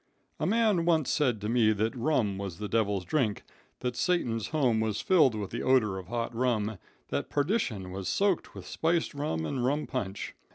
"A man once said to me that rum was the devil's drink, that Satan's home was filled with the odor of hot rum, that perdition was soaked with spiced rum and rum punch.